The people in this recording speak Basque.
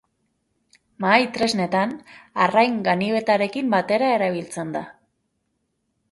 Mahai-tresnetan arrain-ganibetarekin batera erabiltzen da.